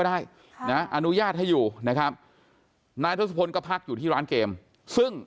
ได้ค่ะนะอนุญาตให้อยู่นะครับนายทศพลก็พักอยู่ที่ร้านเกมซึ่ง